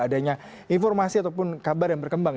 adanya informasi ataupun kabar yang berkembang